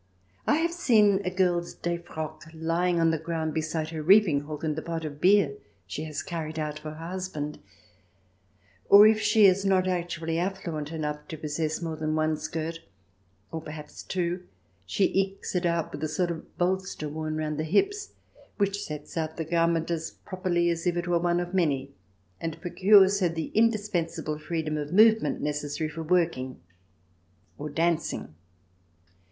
I have seen a girl's defroque lying on the ground beside her reap ing hook and the pot of beer she has carried out to her husband. Or, if she is not actually affluent enough to possess more than one skirt, or perhaps two, she ekes it out with a sort of bolster worn 132 THE DESIRABLE ALIEN [ch. ix round the hips, which sets out the garment as properly as if it were one of many, and procures her the indispensable freedom of movement neces sary for working — or dancing.